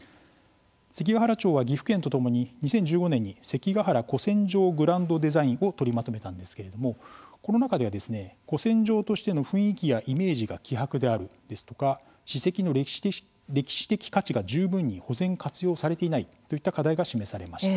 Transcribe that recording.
関ケ原町は、岐阜県とともに２０１５年に関ケ原古戦場グランドデザインを取りまとめたんですけれどもこの中では、古戦場としての雰囲気やイメージが希薄であるですとか、史跡の歴史的価値が十分に保全、活用されていないといった課題が示されました。